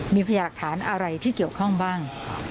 มีพยาหลักฐานอะไรที่เกี่ยวข้องบ้าง